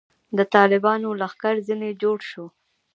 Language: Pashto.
د طالبانو لښکر ځنې جوړ شو.